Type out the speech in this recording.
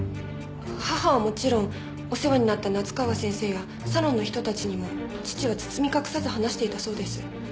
母はもちろんお世話になった夏河先生やサロンの人たちにも父は包み隠さず話していたそうです。